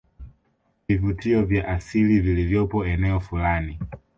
vivuvutio vya asili vilivyopo eneo fulani